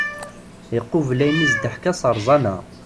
Iqubel ayen i as-d-teḥka s rẓana.